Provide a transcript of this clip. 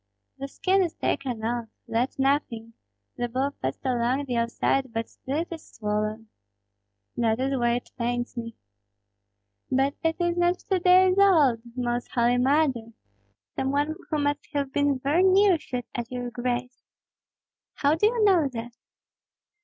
"The skin is taken off, that's nothing! The ball passed along the outside; but still it is swollen." "That is why it pains me." "But it is not two days old. Most Holy Mother! some one who must have been very near shot at your grace." "How do you know that?"